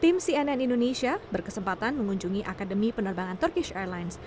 tim cnn indonesia berkesempatan mengunjungi akademi penerbangan turkish airlines